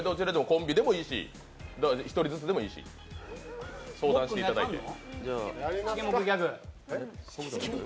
コンビでもいいし、１人ずつでもいいし、相談していただいて。